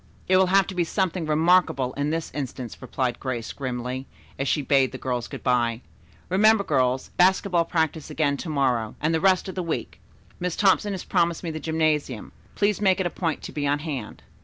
"It will have to be something remarkable in this instance," replied Grace grimly, as she bade the girls good bye. "Remember, girls, basketball practice again to morrow, and the rest of the week. Miss Thompson has promised me the gymnasium. Please make it a point to be on hand."